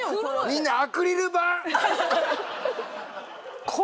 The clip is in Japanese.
みんなアクリル板！